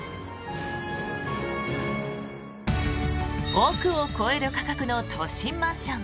億を超える価格の都心マンション。